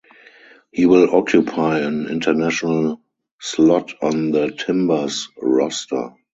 He will occupy an international slot on the Timbers roster.